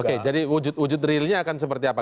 oke jadi wujud wujud realnya akan seperti apa